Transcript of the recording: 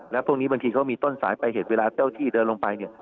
แล้วพวกนี้บางทีเขามีต้นสายไปเหตุเวลาเจ้าที่เดินลงไปเนี่ย